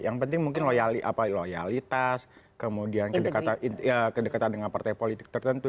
yang penting mungkin loyalitas kemudian kedekatan dengan partai politik tertentu